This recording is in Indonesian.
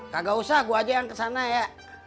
kagak usah gue aja yang kesana ya